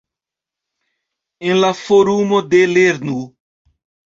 En la forumo de "lernu!